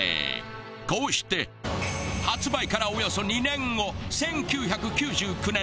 こうして発売からおよそ２年後１９９９年